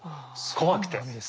怖くて。